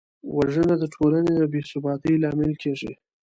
وژنه د ټولنې د بېثباتۍ لامل کېږي